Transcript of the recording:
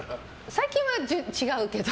最近は違うけど。